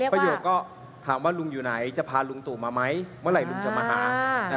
ประโยคก็ถามว่าลุงอยู่ไหนจะพาลุงตู่มาไหมเมื่อไหร่ลุงจะมาหา